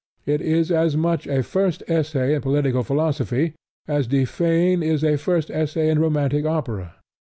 It is as much a first essay in political philosophy as Die Feen is a first essay in romantic opera.